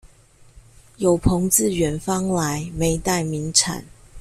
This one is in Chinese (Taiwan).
有朋自遠方來，沒帶名產